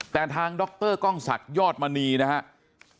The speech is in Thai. แต่ทางดรกศธยอดมณีนะครับ